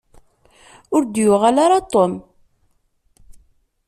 Ur d-yuɣal ara Tom.